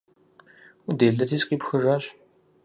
- Уделэти, сыкъипхыжащ.